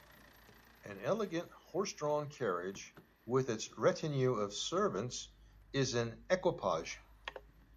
An elegant horse-drawn carriage with its retinue of servants is an "equipage".